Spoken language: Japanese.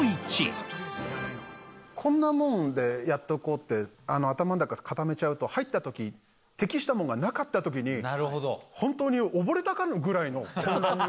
こんなもんでやっておこうって頭の中固めちゃうと入った時適したものがなかった時に本当に溺れたかぐらいの混乱に陥るから。